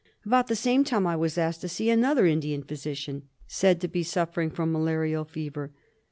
About the same time I was asked to see another Indian physician said to be suffering from malarial fever.